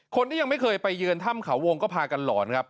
คนที่ยังไม่เคยไปเยือนถ้ำเขาวงก็พากันหลอนครับ